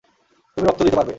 তুমি রক্ত দিতে পারবে।